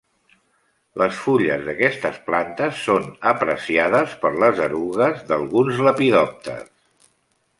Les fulles d'aquestes plantes són apreciades per les erugues d'alguns lepidòpters.